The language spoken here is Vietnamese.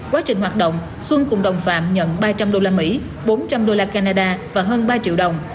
quá trình hoạt động xuân cùng đồng phạm nhận ba trăm linh đô la mỹ bốn trăm linh đô la canada và hơn ba triệu đồng